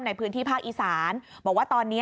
ในพื้นที่ภาคอีสานบอกว่าตอนนี้